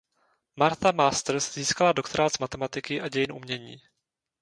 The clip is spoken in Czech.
Martha Masters získala doktorát z matematiky a dějin umění.